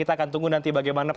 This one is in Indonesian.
kita akan tunggu nanti bagaimana